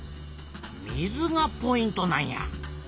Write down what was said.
水がポイントなんや。